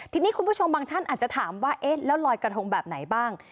ทีนี้คุณผู้ชมบางท่านอาจจะถามว่าเอ๊ะแล้วลอยกระทงแบบไหนบ้าง